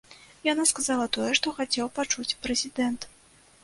Яна сказала тое, што хацеў пачуць прэзідэнт.